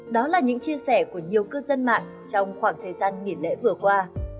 đó là những chia sẻ của nhiều cư dân mạng trong khoảng thời gian nghỉ lễ vừa qua